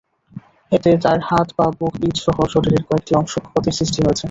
এতে তার হাত, পা, বুক, পিঠসহ শরীরের কয়েকটি অংশে ক্ষতের সৃষ্টি হয়েছে।